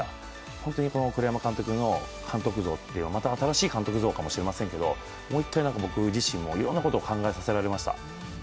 本当に栗山監督の監督像は新しい監督像かもしれないしもう一回僕自身もいろんなことを考えさせられました。